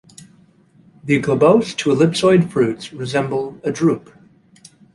The globose to ellipsoid fruits resemble a drupe.